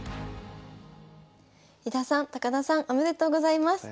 井田さん高田さんおめでとうございます。